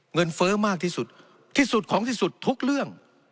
เฟ้อมากที่สุดที่สุดของที่สุดทุกเรื่อง